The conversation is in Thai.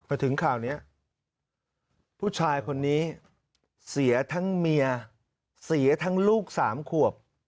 ถึงข่าวนี้ผู้ชายคนนี้เสียทั้งเมียเสียทั้งลูกสามขวบ